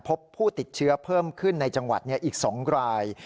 พบผู้ติดเชื้อเพิ่มขึ้นในจังหวัดอีก๒ราย